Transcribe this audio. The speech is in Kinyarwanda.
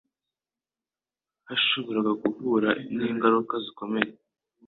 hashobora guhura n'ingaruka zikomeye.